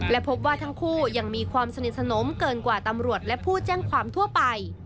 และพบว่าทั้งคู่ยังมีความสนิทสนมเกินกว่าตำรวจและผู้แจ้งความทั่วไป